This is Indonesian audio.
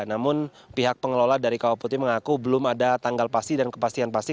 namun pihak pengelola dari kawah putih mengaku belum ada tanggal pasti dan kepastian pasti